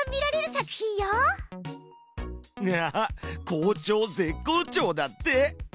「校長絶好調」だって。